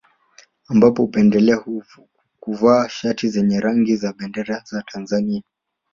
Ambapo hupendelea kuvaa shati zenye rangi ya bendera za Tanzania